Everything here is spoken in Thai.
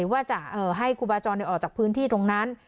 ว่าจะให้ครูบาจรออกจากพื้นที่ตรงนั้น